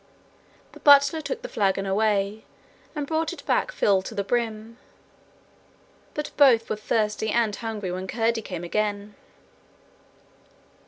The butler took the flagon away, and brought it back filled to the brim, but both were thirsty and hungry when Curdie came again.